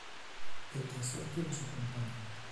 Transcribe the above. E que a sorte vos acompañe.